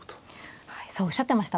そうおっしゃってましたもんね。